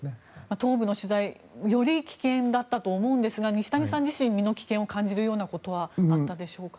東部の取材より危険だったと思うんですが西谷さん自身、身の危険を感じることはあったでしょうか。